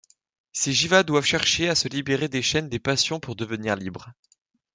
Ces jivas doivent chercher à se libérer des chaînes des passions pour devenir libres.